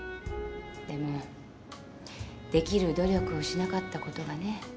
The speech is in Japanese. でもできる努力をしなかったことがね。